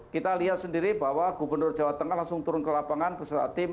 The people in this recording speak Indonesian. kita lihat sendiri bahwa gubernur jawa tengah langsung turun ke lapangan bersama tim